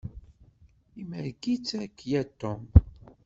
Imerreg-itt akya Tom.